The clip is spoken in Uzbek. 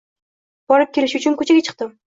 Borib kelish uchun koʻchaga chiqdim.